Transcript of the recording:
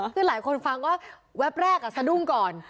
คือหลายคนฟังว่าวิ้บแรกอ่ะสะนุ่มก่อน